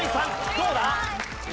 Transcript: どうだ？